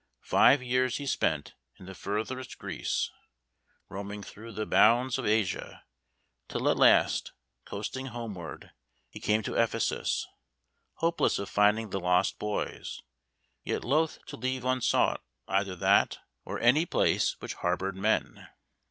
Five years he spent in furthest Greece, roaming through the bounds of Asia, till at last, coasting homeward, he came to Ephesus, hopeless of finding the lost boys, yet loath to leave unsought either that or any place which harboured men.